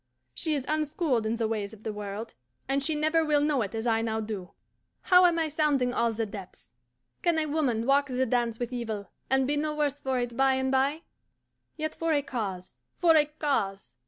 She is unschooled in the ways of the world, and she never will know it as I now do. How am I sounding all the depths! Can a woman walk the dance with evil, and be no worse for it by and bye? Yet for a cause, for a cause!